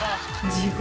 地獄。